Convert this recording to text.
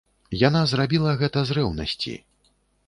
Яна зрабіла гэта з рэўнасці.